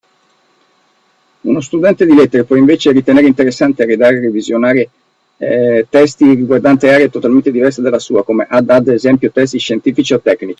Uno studente di Lettere può invece ritenere interessante redare e revisionare testi riguardanti aree totalmente diverse dalla sua, come ad ad esempio testi scientifici o tecnici.